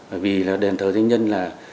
bởi vì là đền thờ danh nhân là